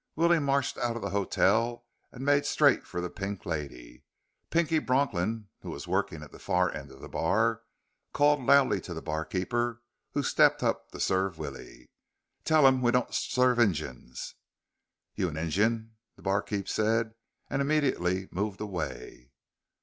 Willie marched out of the hotel and made straight for the Pink Lady. Pinky Bronklin, who was working the far end of the bar, called loudly to the barkeep who stepped up to serve Willie. "Tell him we don't serve Injuns!" "You an Injun?" the barkeep said and immediately moved away.